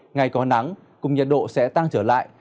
ngày có nắng cùng nhiệt độ sẽ tăng trở lại